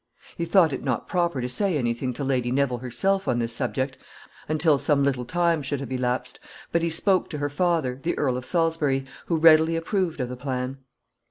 He thought it not proper to say any thing to Lady Neville herself on this subject until some little time should have elapsed, but he spoke to her father, the Earl of Salisbury, who readily approved of the plan.